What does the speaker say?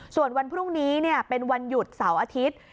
ส่วนวันพรุ่งนี้เป็นวันหยุดเสาร์อาทิตย์